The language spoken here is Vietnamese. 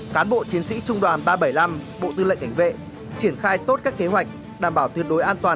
cán bộ chiến sĩ trung đoàn ba trăm bảy mươi năm bộ tư lệnh cảnh vệ triển khai tốt các kế hoạch đảm bảo tuyệt đối an toàn